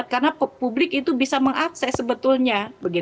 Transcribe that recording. karena publik itu bisa mengakses sebetulnya